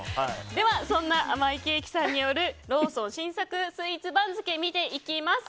では、そんなあまいけいきさんによるローソン新作スイーツ番付見ていきます。